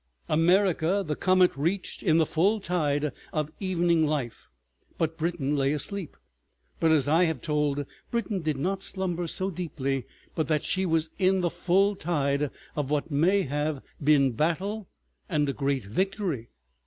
America the comet reached in the full tide of evening life, but Britain lay asleep. But as I have told, Britain did not slumber so deeply but that she was in the full tide of what may have been battle and a great victory.